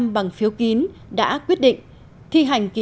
một trăm linh bằng phiếu kín đã quyết định